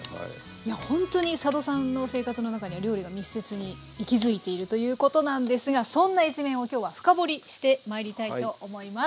いやほんとに佐渡さんの生活の中には料理が密接に息づいているということなんですがそんな一面を今日は深掘りしてまいりたいと思います。